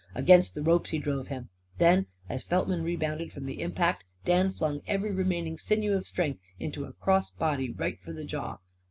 Against the ropes he drove him. Then, as Feltman rebounded from the impact, Dan flung every remaining sinew of strength into a cross body right for the jaw.